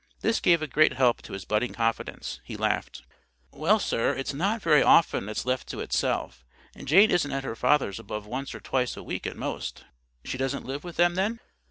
This gave a great help to his budding confidence. He laughed. "Well, sir, it's not very often it's left to itself. Jane isn't at her father's above once or twice a week at most." "She doesn't live with them, then?"